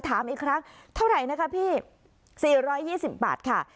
ถามอีกครั้งเท่าไหร่นะคะพี่๔๒๐บาทค่ะ